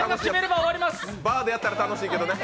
バーでやったら楽しいけどね。